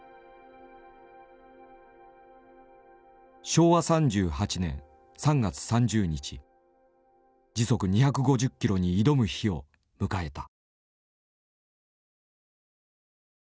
昭和３８年３月３０日時速２５０キロに挑む日を迎えた。